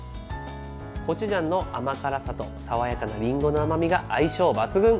コチュジャンの甘辛さと爽やかなりんごの甘みが相性抜群。